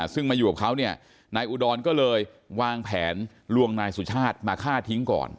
ซึ่งมาอยู่กับเขาเนี่ยนายอุดรก็เลยวางแผนลวงนายสุชาติมาฆ่าทิ้งก่อน